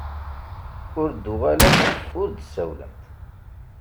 Ur d-uɣalent ur d-sawlent.